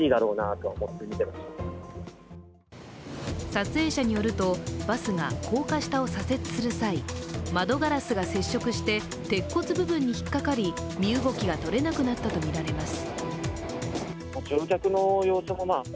撮影者によると、バスが高架下を左折する際窓ガラスが接触して鉄骨部分に引っかかり身動きがとれなくなったとみられます。